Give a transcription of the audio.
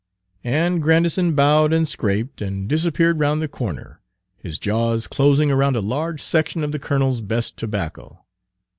And Grandison bowed and scraped and disappeared round the corner, his jaws closing around a large section of the colonel's best tobacco.